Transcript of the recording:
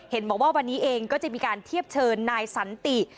บอกว่าวันนี้เองก็จะมีการเทียบเชิญนายสันติ